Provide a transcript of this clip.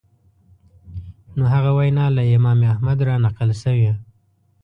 نو هغه وینا له امام احمد رانقل شوې